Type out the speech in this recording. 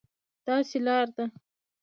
داسې لار ده،